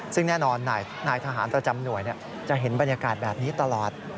ซึ่งแน่นอนนายทหารประจำหน่วยจะเห็นบรรยากาศแบบนี้ตลอด